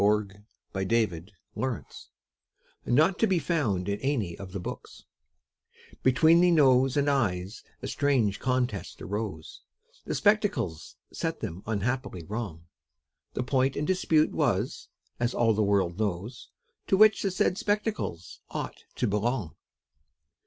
_ REPORT OF AN ADJUDGED CASE NOT TO BE FOUND IN ANY OF THE BOOKS Between Nose and Eyes a strange contest arose, The spectacles set them unhappily wrong; The point in dispute was, as all the world knows, To which the said spectacles ought to belong.